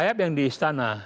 bersayap yang di istana